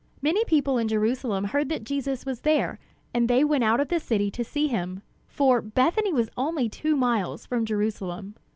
Many people in Jerusalem heard that Jesus was there, and they went out of the city to see him, for Bethany was only two miles from Jerusalem.